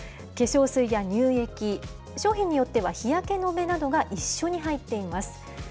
化粧水や乳液、商品によっては、日焼け止めなどが一緒に入っています。